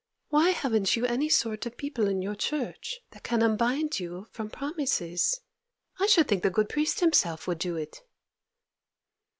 Why haven't you any sort of people in your Church that can unbind you from promises? I should think the good priest himself would do it!